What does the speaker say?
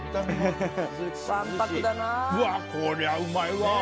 こりゃうまいわ！